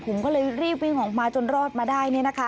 ผมก็เลยรีบวิ่งออกมาจนรอดมาได้